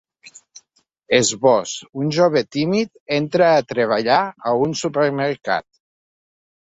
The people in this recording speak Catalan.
Esbós: Un jove tímid entra a treballar a un supermercat.